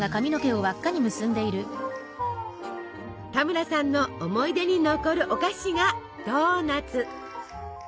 田村さんの思い出に残るお菓子がドーナツ。